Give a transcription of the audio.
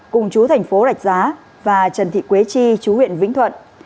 cùng chú thành phố rạch giá và trần thị quế chi chú huyện vĩnh thuận